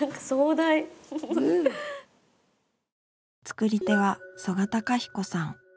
作り手は曽我貴彦さん。